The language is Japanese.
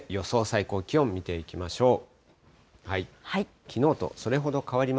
最高気温見ていきましょう。